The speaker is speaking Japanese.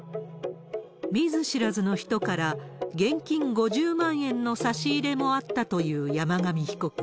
見ず知らずの人から、現金５０万円の差し入れもあったという山上被告。